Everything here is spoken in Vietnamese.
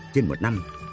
trên một năm